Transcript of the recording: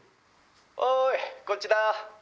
おいこっちだ。